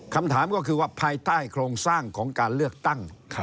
คำถามก็คือว่าภายใต้โครงสร้างของการเลือกตั้ง